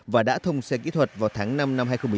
và đã thông xe kỹ thuật vào tháng năm năm hai nghìn một mươi chín